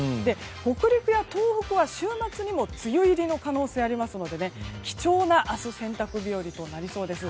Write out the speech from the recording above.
北陸や東北は週末にも梅雨入りの可能性がありますので明日は貴重な洗濯日和となりそうです。